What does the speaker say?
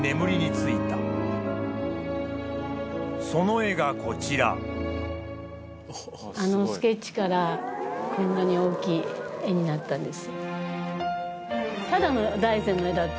怪物島倉はあのスケッチからこんなに大きい絵になったんです。